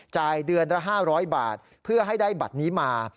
จ่ายเดือนละ๕๐๐บาทเพื่อให้ได้บัตรนี้มา